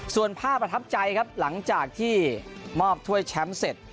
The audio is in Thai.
ส่วนภาพประทับใจครับหลังจากที่มอบถ้วยแชมป์เสร็จ